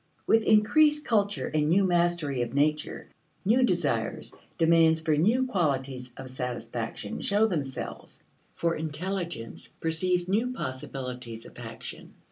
With increased culture and new mastery of nature, new desires, demands for new qualities of satisfaction, show themselves, for intelligence perceives new possibilities of action.